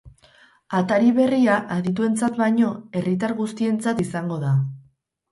Atari berria, adituentzat baino, herritar guztientzat izango da.